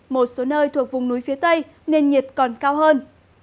một số nơi thuộc vùng núi phía tây nền nhiệt còn cao hơn